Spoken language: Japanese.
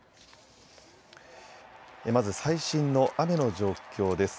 まず最新の雨の状況です。